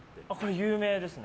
有名ですね。